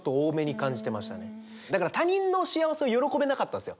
だから他人の幸せを喜べなかったんすよ。